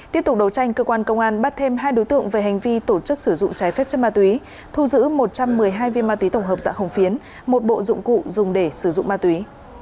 tiếp tục đấu tranh cơ quan công an bắt thêm hai đối tượng về hành vi tổ chức sử dụng trái phép chất ma túy thu giữ một trăm một mươi hai viên ma túy tổng hợp dạng hồng phiến một bộ dụng cụ dùng để sử dụng ma túy